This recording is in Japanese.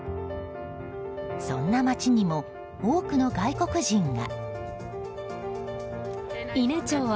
そんな町にも多くの外国人が。